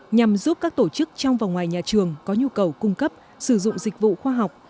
nhằm giúp các tổ chức trong và ngoài nhà trường có nhu cầu cung cấp sử dụng dịch vụ khoa học